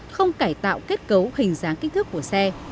không cải tạo kết cấu hình dáng kích thước của xe